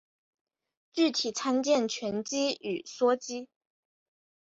具体参见醛基与羧基。